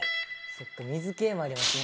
そっか水系もありますね。